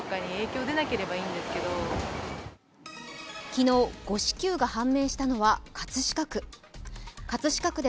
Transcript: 昨日、誤支給が判明したのは葛飾区。